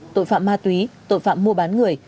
tội phạm ma túy tội phạm mua bán người